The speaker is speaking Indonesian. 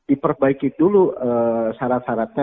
diperbaiki dulu syarat syaratnya